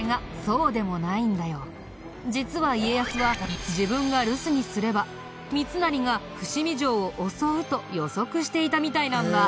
実は家康は自分が留守にすれば三成が伏見城を襲うと予測していたみたいなんだ。